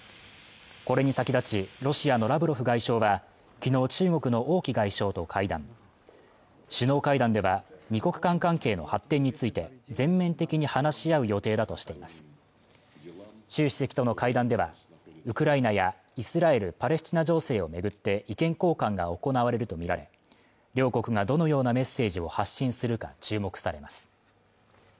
これに先立ちロシアのラブロフ外相はきのう中国の王毅外相と会談首脳会談では二国間関係の発展について全面的に話し合う予定だとしています習主席との会談ではウクライナやイスラエル・パレスチナ情勢を巡って意見交換が行われるとみられ両国がどのようなメッセージを発信するか注目されます